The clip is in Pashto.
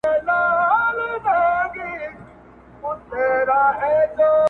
په روغتون کي شل پنځه ویشت شپې دېره سو-